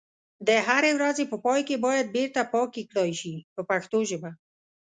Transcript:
د هرې ورځې په پای کې باید بیرته پاکي کړای شي په پښتو ژبه.